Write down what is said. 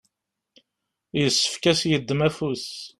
yessefk ad s-yeddem afus.